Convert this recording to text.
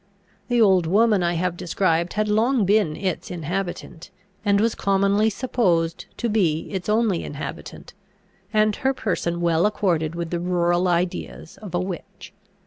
The old woman I have described had long been its inhabitant, and was commonly supposed to be its only inhabitant; and her person well accorded with the rural ideas of a witch.